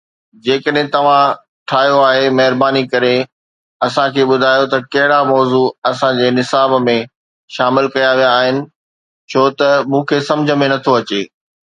جيڪڏھن توھان ٺاھيو آھي، مھرباني ڪري اسان کي ٻڌايو ته ڪھڙا موضوع اسان جي نصاب ۾ شامل ڪيا ويا آھن ڇو ته مون کي سمجھ ۾ نٿو اچي؟